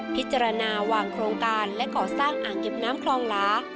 พิจารณาวางโครงการและก่อสร้างอ่างเก็บน้ำคลองหลา